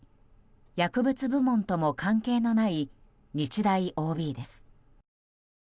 薬物部門とも関係のない日大ＯＢです。